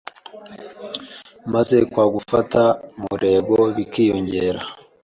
maze kwa gufata umurego bikiyongera